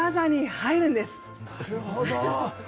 なるほど！